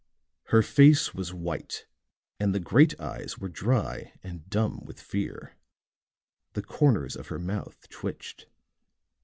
Her face was white and the great eyes were dry and dumb with fear; the corners of her mouth twitched.